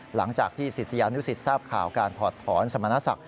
หลังจากที่ศิษยานุสิตทราบข่าวการถอดถอนสมณศักดิ